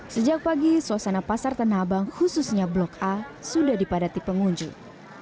sejak pagi suasana pasar tanah abang khususnya blok a sudah dipadati pengunjung